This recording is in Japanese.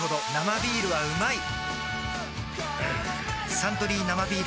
「サントリー生ビール」